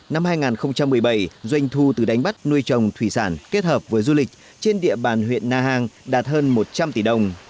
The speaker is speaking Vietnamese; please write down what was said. năm hai nghìn một mươi bảy doanh thu từ đánh bắt nuôi trồng thủy sản kết hợp với du lịch trên địa bàn huyện na hàng đạt hơn một trăm linh tỷ đồng